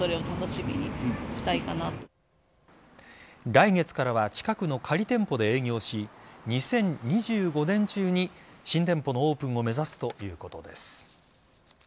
来月からは近くの仮店舗で営業し２０２５年中に新店舗のオープンを目指すということです。